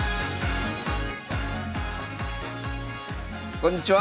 こんにちは！